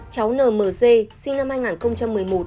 cháu nmz sinh năm hai nghìn một mươi một